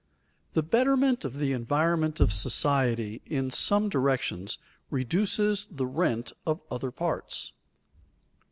_The betterment of the environment of society in some directions reduces the rent of other parts.